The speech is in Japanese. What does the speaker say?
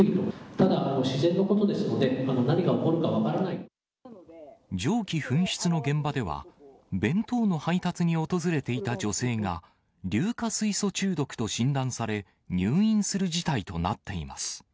ただ、自然のことですので、蒸気噴出の現場では、弁当の配達に訪れていた女性が、硫化水素中毒と診断され、入院する事態となっています。